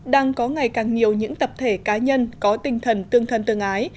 đang có ngày càng nhiều những tập thể cá nhân có tinh thần tương thân tương ái